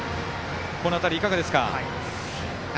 この辺り、いかがですか？